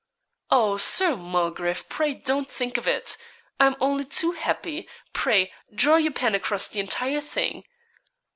'Oh, Sir Mulgrave, pray don't think of it I'm only too happy pray, draw your pen across the entire thing.'